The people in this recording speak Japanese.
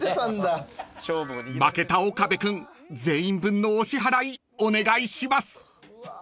［負けた岡部君全員分のお支払いお願いします］